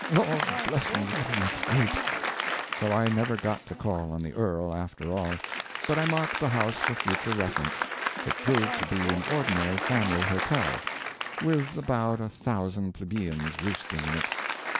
Lord bless me, what an escape!" So I never got to call on the Earl, after all. But I marked the house for future reference. It proved to be an ordinary family hotel, with about a thousand plebeians roosting in it.